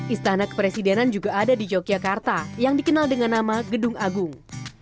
istana kepresidenan juga ada di yogyakarta yang dikenal dengan nama gedung agung